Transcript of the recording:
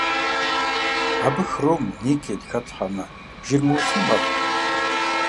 Абы хром, никель хэплъхьэмэ, жыр мыулъий мэхъу.